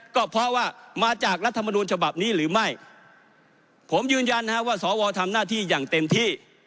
ก็เพราะว่ามาจากรัฐมนูลฉบับนี้หรือไม่ผมยืนยันนะฮะว่าสวทำหน้าที่อย่างเต็มที่